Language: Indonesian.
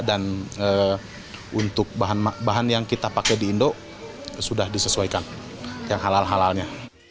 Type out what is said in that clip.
dan untuk bahan bahan yang kita pakai di indo sudah disesuaikan yang halal halalnya